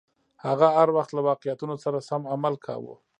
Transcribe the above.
هغه هر وخت له واقعیتونو سره سم عمل کاوه.